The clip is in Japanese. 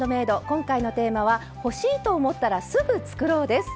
今回のテーマは「欲しい！と思ったらすぐ作ろう」です。